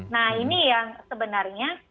nah ini yang sebenarnya